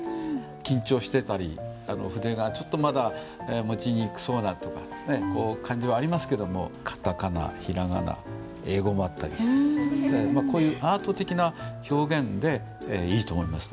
緊張してたり筆がちょっとまだ持ちにくそうな感じはありますけども片仮名平仮名英語もあったりしてこういうアート的な表現でいいと思います。